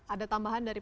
ada tambahan dari